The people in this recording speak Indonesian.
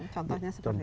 contohnya seperti apa